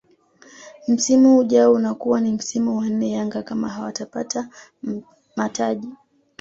Msimu ujao unakuwa ni msimu wa nne Yanga kama hawatapata mataji